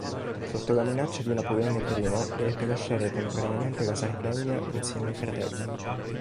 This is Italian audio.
Sotto la minaccia di Napoleone I, dovette lasciare temporaneamente la Sardegna insieme ai fratelli.